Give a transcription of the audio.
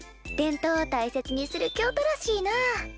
伝統を大切にする京都らしいなあ。